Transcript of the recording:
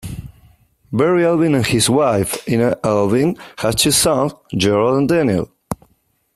Barry Albin and his wife, Inna Albin, have two sons, Gerald and Daniel.